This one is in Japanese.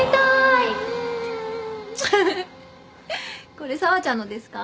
これ紗和ちゃんのですか？